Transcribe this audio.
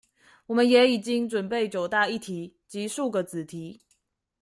我們也已經準備九大議題及數個子題